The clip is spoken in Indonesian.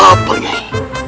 ada apa nyai